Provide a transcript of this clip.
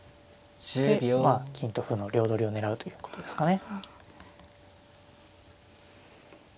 でまあ金と歩の両取りを狙うということですかね。